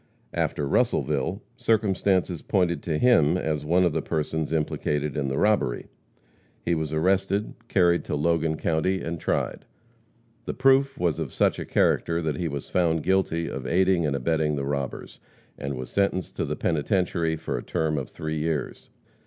After Russellville, circumstances pointed to him as one of the persons implicated in the robbery. He was arrested, carried to Logan county and tried. The proof was of such a character that he was found guilty of aiding and abetting the robbers, and was sentenced to the penitentiary for a term of three years.